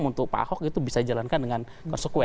untuk pak ahok itu bisa dijalankan dengan konsekuen